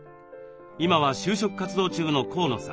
今は就職活動中の河野さん。